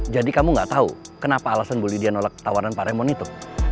jadi kamu gak tau kenapa alasan ibu lydia menolak tawaran pak raimon itu